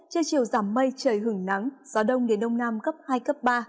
trưa chiều giảm mây trời hứng nắng gió đông đến đông nam cấp hai cấp ba